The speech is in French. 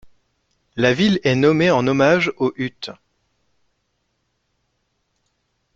La ville est nommée en hommage aux Utes.